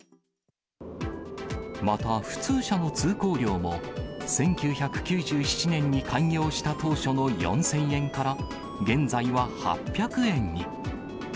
また普通車の通行料も、１９９７年に開業した当初の４０００円から現在は８００円に。